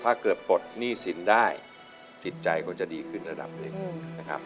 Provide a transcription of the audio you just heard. ถ้าเกิดปลดนิสินได้ติดใจก็จะดีขึ้นระดับนึด